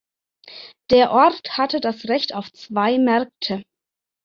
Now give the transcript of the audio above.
Der Ort hatte das Recht auf zwei Märkte.